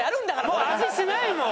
もう味しないもん！